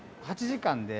８時間で？